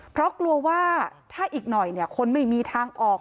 เพราะกลัวว่าถ้าอีกหน่อยคนไม่มีทางออก